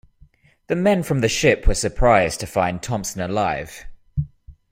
The men from the ship were surprised to find Thompson alive.